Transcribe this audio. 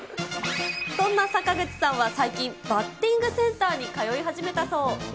そんな坂口さんは最近、バッティングセンターに通い始めたそう。